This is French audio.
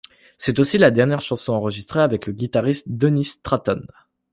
C'est aussi la dernière chanson enregistrée avec le guitariste Dennis Stratton.